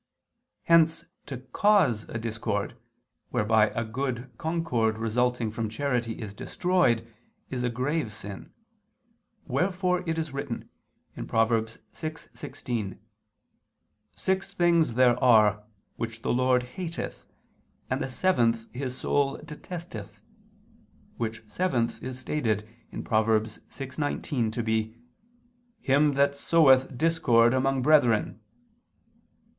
Hence to cause a discord, whereby a good concord resulting from charity is destroyed, is a grave sin: wherefore it is written (Prov. 6:16): "Six things there are, which the Lord hateth, and the seventh His soul detesteth," which seventh is stated (Prov. 6:19) to be "him that soweth discord among brethren."